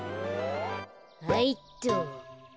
はいっと。